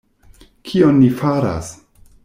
Kion ni faras?